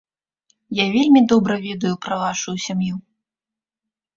Я вельмі добра ведаю пра вашую сям'ю.